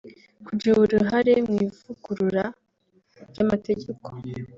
kugira uruhare mu ivugurura ry’amategeko